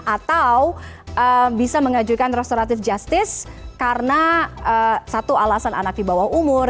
atau bisa mengajukan restoratif justice karena satu alasan anak di bawah umur